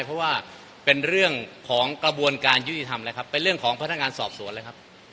เพราะว่าเป็นเรื่องของกระบวนการยุติธรรมเลยครับเป็นเรื่องของพนักงานสอบสวนเลยครับ